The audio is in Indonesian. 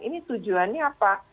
ini tujuannya apa